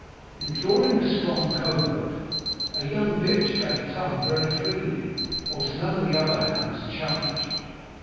In drawing a strong covert, a young bitch gave tongue very freely, whilst none of the other hounds challenged.